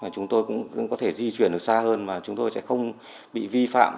chúng tôi cũng có thể di chuyển được xa hơn mà chúng tôi sẽ không bị vi phạm